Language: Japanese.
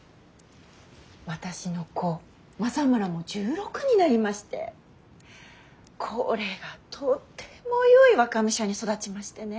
私の子政村も１６になりましてこれがとてもよい若武者に育ちましてね。